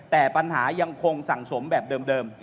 แต่ปัญหายังคงสั่งสมแบบเดิม